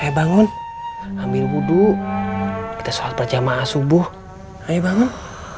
hai den eh bangun ambil wudhu kita sholat berjamaah subuh ayo bangun